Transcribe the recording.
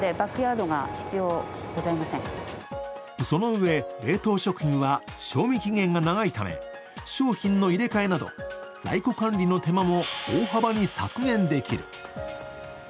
そのうえ、冷凍食品は賞味期限が長いため、商品の入れ替えなど、在庫管理の手間も大幅に削減できる。